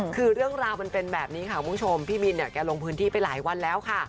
คือเรื่องราวมันเป็นแบบนี้ค่ะพี่บินลงพื้นที่ไปหลายวันแล้วค่ะ